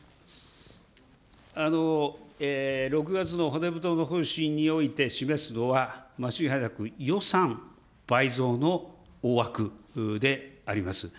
６月の骨太の方針について示すのは、間違いなく予算倍増の大枠であります。